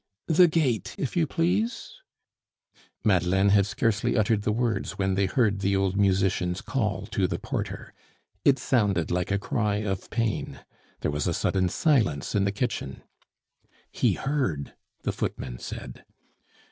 "The gate, if you please!" Madeleine had scarcely uttered the words when they heard the old musician's call to the porter. It sounded like a cry of pain. There was a sudden silence in the kitchen. "He heard!" the footman said.